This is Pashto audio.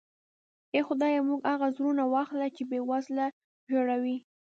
اې خدایه موږ هغه زړونه واخله چې بې وزله ژړوي.